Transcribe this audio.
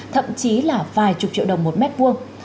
thậm chí là vài chục triệu đồng một mét vuông